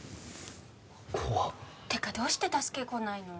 怖ってかどうして助け来ないの